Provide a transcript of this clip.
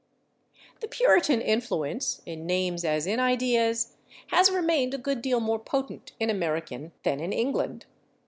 The Puritan influence, in names as in ideas, has remained a good deal more potent in American than in England.